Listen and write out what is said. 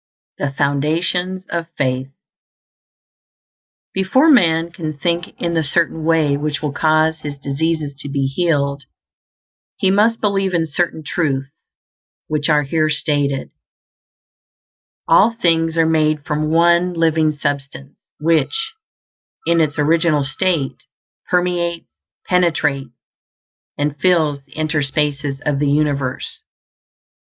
THE FOUNDATIONS OF FAITH. Before man can think in the Certain Way which will cause his diseases to be healed, he must believe in certain truths which are here stated: All things are made from one Living Substance, which, in its original state, permeates, penetrates, and fills the interspaces of the universe.